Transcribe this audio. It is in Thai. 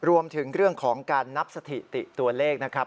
รวมถึงเรื่องของการนับสถิติตัวเลขนะครับ